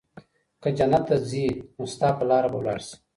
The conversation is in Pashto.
که جنت ته ځي نو ستا په لار به ولاړ سي